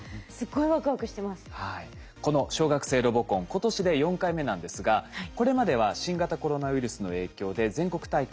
この小学生ロボコン今年で４回目なんですがこれまでは新型コロナウイルスの影響で全国大会